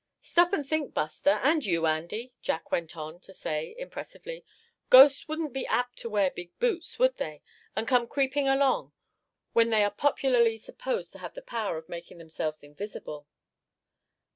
"Stop and think, Buster, and you, Andy," Jack went on to say, impressively, "ghosts wouldn't be apt to wear big boots, would they, and come creeping along, when they are popularly supposed to have the power of making themselves invisible?"